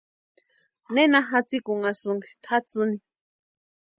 ¿Nena jasikunhasïnki tʼatsïni?